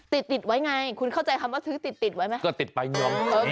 ติดไว้ไงคุณเข้าใจคำว่าซื้อติดไว้ไหม